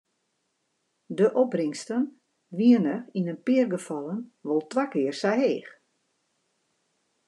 De opbringsten wiene yn in pear gefallen wol twa kear sa heech.